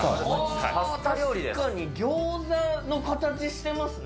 確かにギョーザの形してますね。